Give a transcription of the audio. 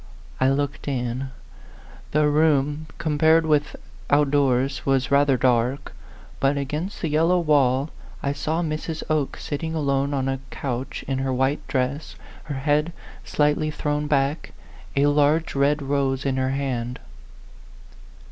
" I looked in. The room, compared with out doors, was rather dark ; but against the yellow wall I saw Mrs. Oke sitting alone on a couch in her white dress, her head slightly thrown back, a large red rose in her hand.